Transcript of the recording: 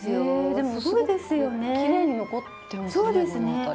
でもすごくきれいに残ってますねこの辺り。